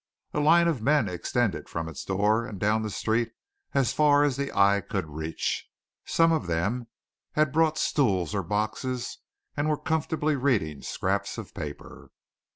A line of men extended from its door and down the street as far as the eye could reach. Some of them had brought stools or boxes, and were comfortably reading scraps of paper.